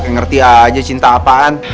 ngeri aja cinta apaan